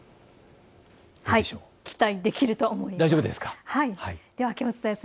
期待できると思います。